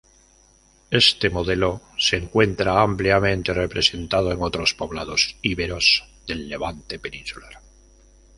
Este modelo se encuentra ampliamente representado en otros poblados iberos del levante peninsular.